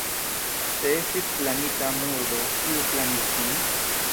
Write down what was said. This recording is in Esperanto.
Se estis planita murdo, kiu planis ĝin?